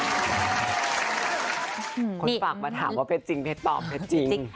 คนฝากมาถามว่าเพชรจริงเพชรตอบเพชรจริง